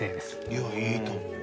いやいいと思う。